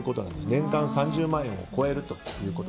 年間３０万円を超えると。